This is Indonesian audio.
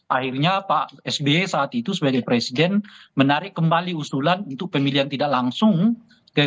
akhirnya pak sby saat itu sebagai presiden menarik kembali usulan untuk pemilihan tidak langsung ke dpr